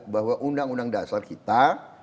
bahwa undang undang dasar kita